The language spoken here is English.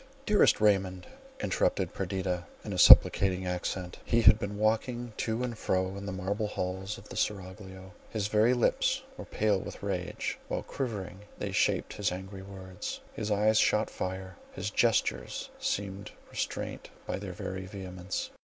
"Dearest Raymond!" interrupted Perdita, in a supplicating accent. He had been walking to and fro in the marble hall of the seraglio; his very lips were pale with rage, while, quivering, they shaped his angry words— his eyes shot fire—his gestures seemed restrained by their very vehemence.